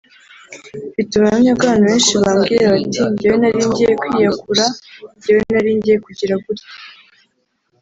mfite ubuhamya bwinshi bw’abantu bambwira bati ‘njyewe nari ngiye kwiyakura; njyewe nari ngiye kugira gutya